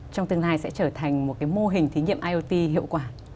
trong tương lai sẽ trở thành một cái mô hình thí nghiệm iot hiệu quả